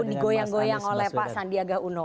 digoyang goyang oleh pak sandiaga uno